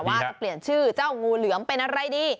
ว่าจะเปลี่ยนชื่อเจ้างูเหลือมเป็นอะไรดี